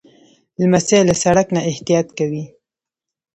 لمسی له سړک نه احتیاط کوي.